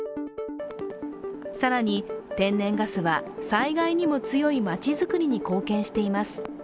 さらに、天然ガスは、災害にも強い町づくりに貢献しています。